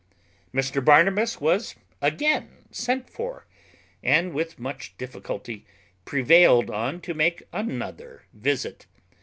Mr Barnabas was again sent for, and with much difficulty prevailed on to make another visit.